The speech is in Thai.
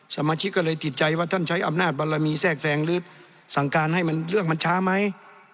สมาชิกก็เลยติดใจว่าท่านใช้อำนาจบารมีแทรกแซงหรือสั่งการให้เรื่องมันช้าไหม